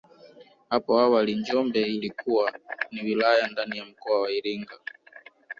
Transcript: Hapo awali Njombe ilikuwa ni wilaya ndani ya mkoa wa Iringa